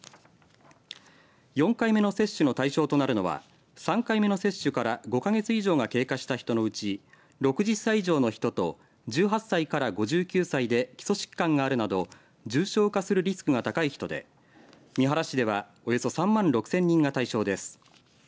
４回目の接種の対象となるのは３回目の接種から５か月以上が経過した人のうち６０歳以上の人と１８歳から５９歳で基礎疾患があるなど重症化するリスクが高い人で三原市では、およそ３万６０００人が対象です。